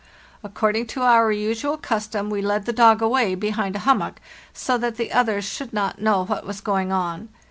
According to our usual custom, we led the dog away behind a hummock, so that the others should not know what was going on.